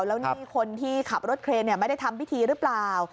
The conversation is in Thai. แล้วนี่คนที่ขับรถเครนไม่ได้ทำพิธีหรือเปล่า